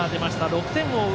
６点を追う